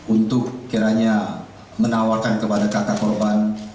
untuk kiranya menawarkan kepada kakak korban